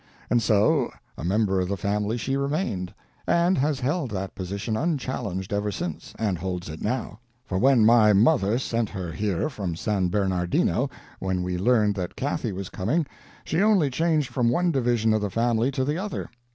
And so, a member of the family she remained, and has held that position unchallenged ever since, and holds it now; for when my mother sent her here from San Bernardino when we learned that Cathy was coming, she only changed from one division of the family to the other.